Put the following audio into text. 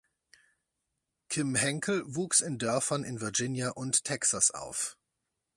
Kim Henkel wuchs in Dörfern in Virginia und Texas auf.